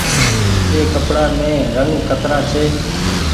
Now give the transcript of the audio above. ايِ ڪپڙآ مين رنگ ڪترآ ڇي۔